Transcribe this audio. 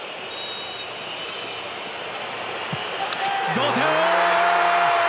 同点！